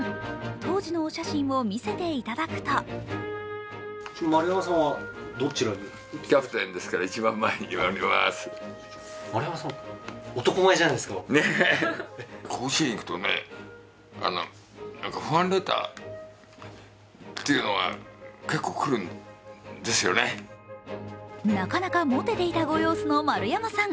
当時のお写真を見せていただくとなかなかモテていたご様子の丸山さん。